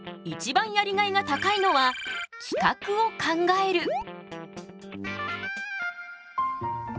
一番やりがいが高いのは企画を考える。